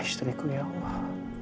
ibu dari anak anakku ya allah